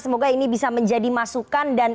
semoga ini bisa menjadi masukan dan